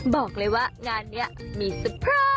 บอกเลยว่างานเนี่ยมีสุปราย